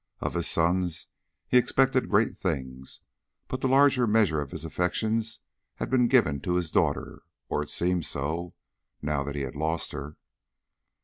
Of his sons he expected great things, but the larger measure of his affections had been given to his daughter, or it seemed so, now that he had lost her.